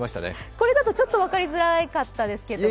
これだとちょっと分かりづらかったですけれども。